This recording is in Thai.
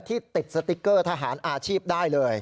ติดสติ๊กเกอร์ทหารอาชีพได้เลย